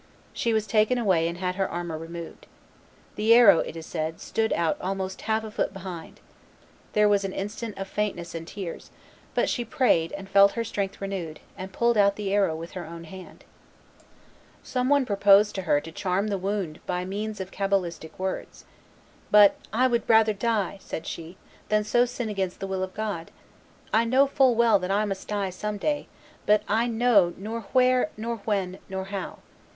She was taken away and had her armor removed. The arrow, it is said, stood out almost half a foot behind. There was an instant of faintness and tears; but she prayed and felt her strength renewed, and pulled out the arrow with her own hand. [Illustration: Herself drew out the Arrow 109] Some one proposed to her to charm the wound by means of cabalistic words; but "I would rather die," she said, "than so sin against the will of God. I know full well that I must die some day; but I know nor where nor when nor how.